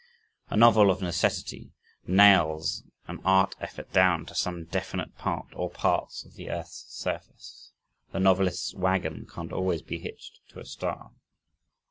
A novel, of necessity, nails an art effort down to some definite part or parts of the earth's surface the novelist's wagon can't always be hitched to a star.